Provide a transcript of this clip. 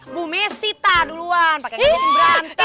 ibu messi ta duluan pake kecin berantem